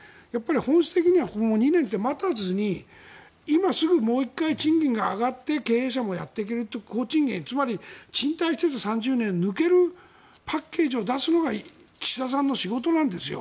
本質的には２年って待たずに今すぐもう１回賃金が上がって経営者もやっていけるという高賃金つまり３０年抜けるパッケージを出すのが岸田さんの仕事なんですよ。